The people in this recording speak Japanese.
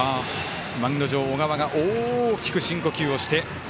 マウンド上、小川が大きく深呼吸をして。